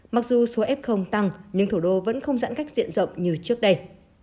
mặc dù số f tăng nhưng thủ đô vẫn không giãn cách diện rộng như trước đây